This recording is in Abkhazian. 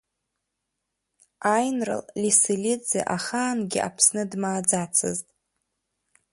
Аинрал Леселидӡе ахаангьы Аԥсны дмааӡацызт.